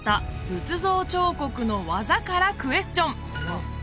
仏像彫刻の技からクエスチョン！